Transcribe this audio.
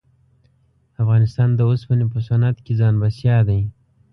افغانستان د اوسپنې په صنعت کښې ځان بسیا دی.